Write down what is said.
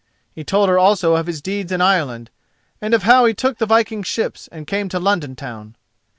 He told her also of his deeds in Ireland, and of how he took the viking ships and came to London town.